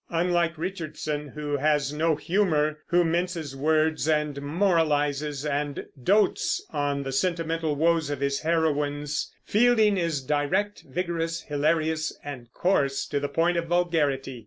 Unlike Richardson, who has no humor, who minces words, and moralizes, and dotes on the sentimental woes of his heroines, Fielding is direct, vigorous, hilarious, and coarse to the point of vulgarity.